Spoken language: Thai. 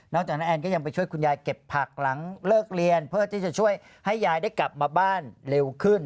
จากนั้นแอนก็ยังไปช่วยคุณยายเก็บผักหลังเลิกเรียนเพื่อที่จะช่วยให้ยายได้กลับมาบ้านเร็วขึ้น